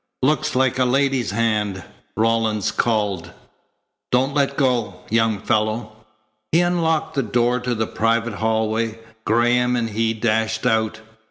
"Looks like a lady's hand," Rawlins called. "Don't let go, young fellow." He unlocked the door to the private hallway. Graham and he dashed out.